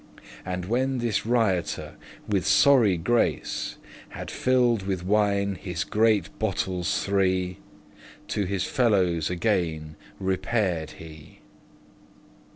And when this riotour, with sorry grace, Had fill'd with wine his greate bottles three, To his fellows again repaired he.